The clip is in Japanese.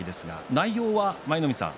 内容、舞の海さん